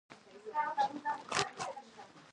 مځکه د لرغونو ملتونو نښه ده.